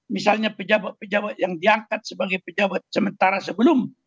misalnya pejabat pejabat yang diangkat sebagai pejabat sementara sebelum